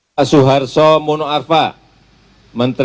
ibu siti dan bapak soe tryupe dine